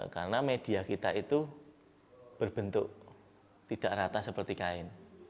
karena media kita itu berbentuk tidak rata seperti kain